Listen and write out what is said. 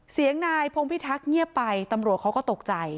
เสียงนายพงพิทักษ์เงียบไปตำรวจเขาก็ตกใจ